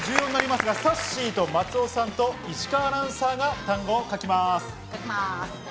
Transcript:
次はさっしーと松尾さん、石川アナが単語を書きます。